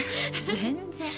全然。